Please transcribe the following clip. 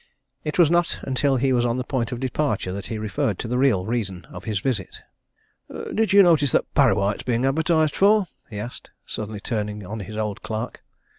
It was not until he was on the point of departure that he referred to the real reason of his visit. "Did you notice that Parrawhite is being advertised for?" he asked, suddenly turning on his old clerk.